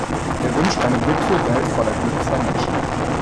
Er wünscht eine glückliche Welt voller glücklicher Menschen.